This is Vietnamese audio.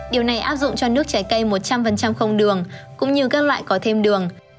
điều này áp dụng cho nước trái cây một trăm linh không đường cũng như các loại có thêm đường